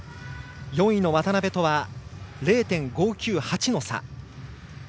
４位の渡部とは０．５９８の差。